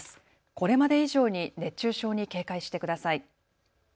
これまで以上に熱中症に警戒してください。